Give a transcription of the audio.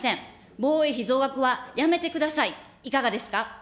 防衛費増額はやめてください、いかがですか。